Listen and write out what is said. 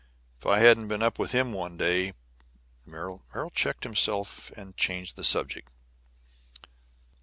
If I hadn't been up with him one day " Merrill checked himself and changed the subject.